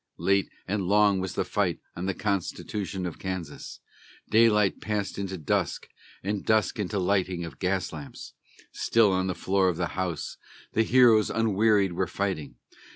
Late and long was the fight on the Constitution of Kansas; Daylight passed into dusk, and dusk into lighting of gas lamps; Still on the floor of the house the heroes unwearied were fighting.